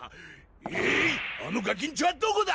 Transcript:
えいあのガキんちょはどこだ